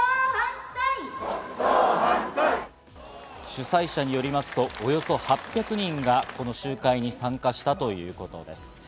主催者によりますと、およそ８００人がこの集会に参加したということです。